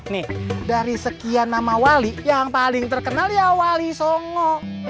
nih dari sekian nama wali yang paling terkenal ya wali songo